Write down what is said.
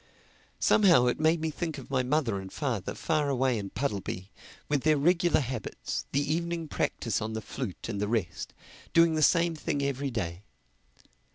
Somehow it made me think of my mother and father far away in Puddleby, with their regular habits, the evening practise on the flute and the rest—doing the same thing every day.